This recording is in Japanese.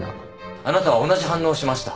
あなたは同じ反応をしました。